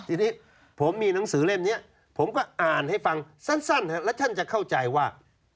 ทีนี้ผมมีหนังสือเล่มนี้ผมก็อ่านให้ฟังสั้นแล้วท่านจะเข้าใจว่า